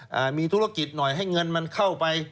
อ่ามีธุรกิจหน่อยให้เงินมันเข้าไป